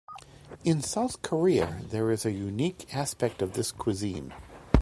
In South Korea there is a unique aspect of this cuisine.